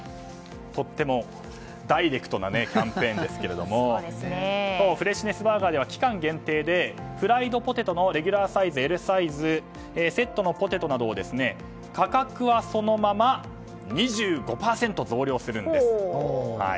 とってもダイレクトなキャンペーンですがフレッシュネスバーガーでは期間限定でフライドポテトのレギュラーサイズ、Ｌサイズセットのポテトなどを価格はそのまま２５％増量するんです。